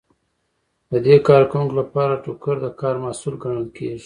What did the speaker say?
د دې کارکوونکو لپاره ټوکر د کار محصول ګڼل کیږي.